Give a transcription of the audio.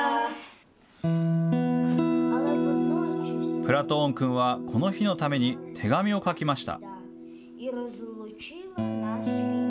プラトーン君はこの日のために、手紙を書きました。